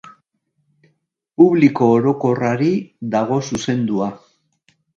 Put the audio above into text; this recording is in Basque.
Publiko orokorrari dago zuzendua.